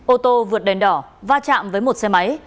ô tô vượt đèn đỏ va chạm với một xe máy